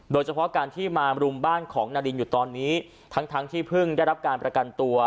โดยเฉพาะการที่มารุมบ้านของนารินอยู่ตอนนี้ทั้งทั้งที่เพิ่งได้รับการประกันตัว